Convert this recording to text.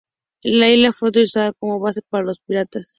La isla fue utilizada como base para los piratas.